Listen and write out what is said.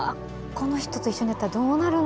この人と一緒にやったらどうなるんだろう？